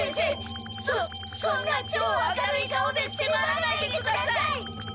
そそんなちょう明るい顔でせまらないでください！